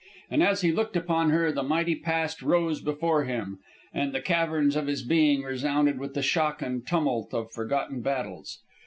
And as he looked upon her the mighty past rose before him, and the caverns of his being resounded with the shock and tumult of forgotten battles.